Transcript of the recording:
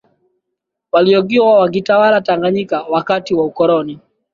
waliokuwa wakiitawala Tanganyika wakati wa ukoloni